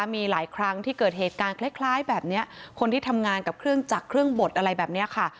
มีหลายครั้งที่เกิดเหตุการณ์คล้ายแบบนี้คนที่ทำงานกับเครื่องจักรเครื่องบดอะไรแบบนี้ค่ะ